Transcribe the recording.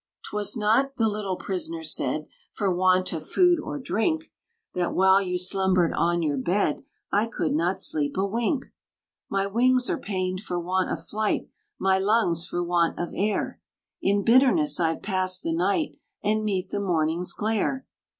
"'T was not," the little prisoner said, "For want of food or drink, That, while you slumbered on your bed, I could not sleep a wink. "My wings are pained for want of flight, My lungs, for want of air. In bitterness I've passed the night, And meet the morning's glare.